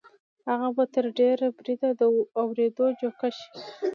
هغه به تر ډېره بریده د اورېدو جوګه شي